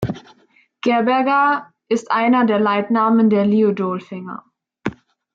Gerberga ist einer der Leitnamen der Liudolfinger.